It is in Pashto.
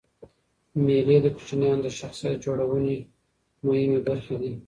مېلې د کوچنيانو د شخصیت جوړنوني مهمي برخي دي.